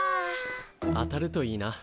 当たるといいな。